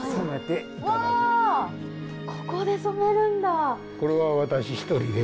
ここで染めるんだ。